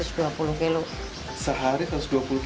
sehari satu ratus dua puluh